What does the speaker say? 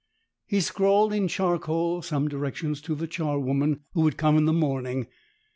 He scrawled in charcoal some directions to the charwoman who would come in the morning.